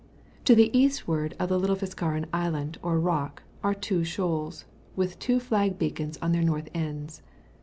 To the eastward of the Little Fiskaren Island or Rock are two shocds, with two flag beacons on their north ends.